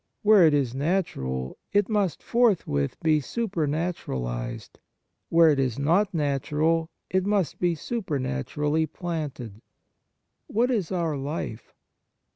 Where it is natural, it must forthwith be supernatural ized. Where it is not natural, it must be supernaturally planted. What is our life